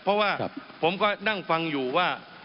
เพราะว่าผมก็นั่งฟังอยู่ว่า